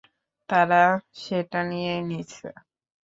তারা সেটা নিয়ে নিছে।